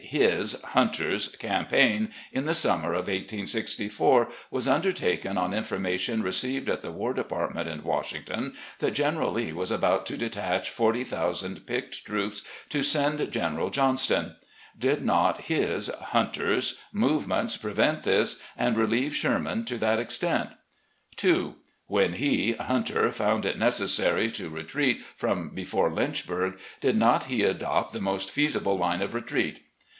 His (Htmter's) campaign in the summer of 1864 was undertaken on information received at the War Department in Washington that General Lee was about to detach forty thousand picked troops to send General A PRIVATE CITIZEN 173 Johnston. Did not his (Hunter's) movements prevent this, and relieve Sherman to that extent? " 2. When he (Hunter) found it necessary to retreat from before L5mchburg, did not he adopt the most feasible line of retreat?